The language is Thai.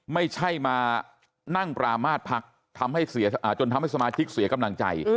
ไม่ใช่มานั่งปรามาทพักทำให้จนทำให้สมาชิกเสียกำลังใจ